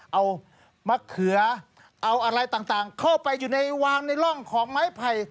เอามะเขือเอาอะไรต่างเข้าไปอยู่ในวางในร่องของไม้ไผ่